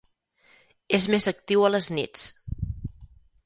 És més actiu a les nits.